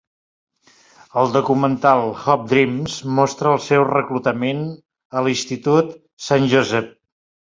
El documental "Hoop Dreams" mostra el seu reclutament a l'institut Saint Joseph.